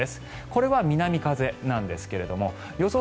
これは南風なんですけど予想